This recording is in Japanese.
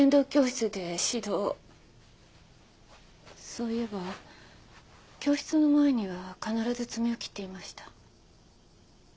そういえば教室の前には必ず爪を切っていました。